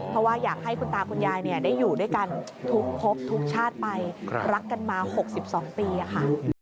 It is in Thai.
เพราะว่าอยากให้คุณตาคุณยายได้อยู่ด้วยกันทุกพบทุกชาติไปรักกันมา๖๒ปีค่ะ